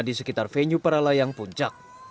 di sekitar venue para layang puncak